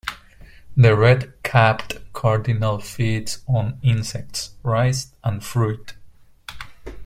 The red-capped cardinal feeds on insects, rice and fruit.